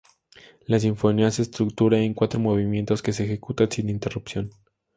La sinfonía se estructura en cuatro movimientos, que se ejecutan sin interrupción.